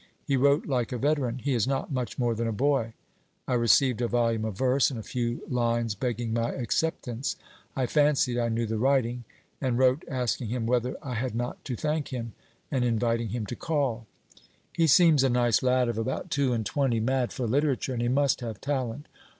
He wrote like a veteran; he is not much more than a boy. I received a volume of verse, and a few lines begging my acceptance. I fancied I knew the writing, and wrote asking him whether I had not to thank him, and inviting him to call. He seems a nice lad of about two and twenty, mad for literature; and he must have talent.